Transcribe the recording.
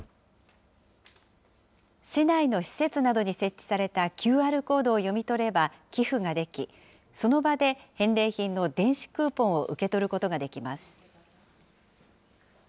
市内の施設などに設置されたＱＲコードを読み取れば寄付ができ、その場で返礼品の電子クーポンを受け取ることができます。